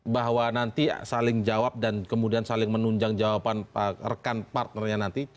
bahwa nanti saling jawab dan kemudian saling menunjang jawaban rekan partnernya nanti